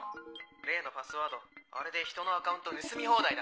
例のパスワードあれでひとのアカウント盗み放題だ。